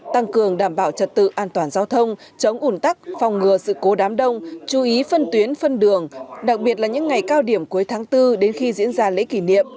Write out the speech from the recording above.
tăng cường đảm bảo trật tự an toàn giao thông chống ủn tắc phòng ngừa sự cố đám đông chú ý phân tuyến phân đường đặc biệt là những ngày cao điểm cuối tháng bốn đến khi diễn ra lễ kỷ niệm